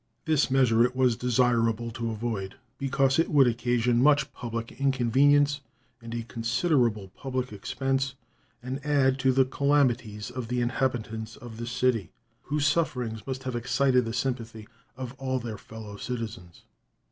This measure it was desirable to avoid, because it would occasion much public inconvenience and a considerable public expense and add to the calamities of the inhabitants of this city, whose sufferings must have excited the sympathy of all their fellow citizens.